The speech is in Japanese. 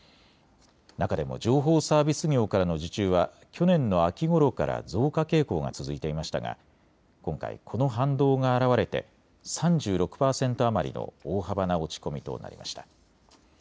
中でも情報サービス業からの受注は去年の秋ごろから増加傾向が続いていましたが今回この反動があらわれて３６％余りの大幅な落ち込みとなりました。